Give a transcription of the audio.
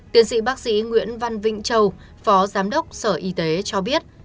tiến sĩ bác sĩ nguyễn văn vĩnh châu phó giám đốc sở y tế cho biết